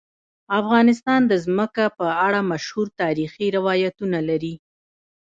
افغانستان د ځمکه په اړه مشهور تاریخی روایتونه لري.